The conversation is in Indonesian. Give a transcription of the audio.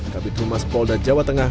kabit rumah spolda jawa tengah